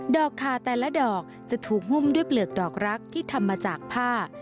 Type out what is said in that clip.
อกขาแต่ละดอกจะถูกหุ้มด้วยเปลือกดอกรักที่ทำมาจากผ้า